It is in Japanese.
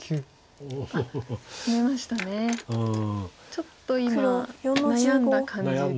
ちょっと今悩んだ感じでしたか。